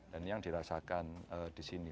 dan yang dirasakan di sini